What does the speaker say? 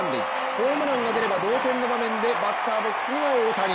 ホームランが出れば同点の場面でバッターボックスには大谷。